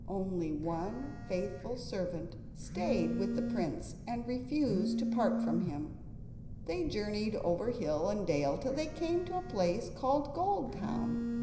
Only one faithful servant stayed with the prince and refused to part from him. They journeyed over hill and dale till they came to a place called Goldtown.